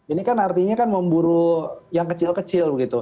ini kan artinya kan memburu yang kecil kecil begitu